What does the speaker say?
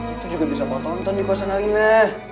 itu juga bisa kau tonton di kosan alina